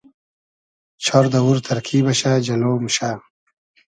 چار دئوور تئرکی بئشۂ جئلۉ موشۂ